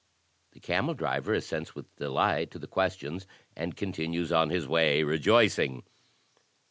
The camel driver assents with delight to the questions and continues on his way rejoicing.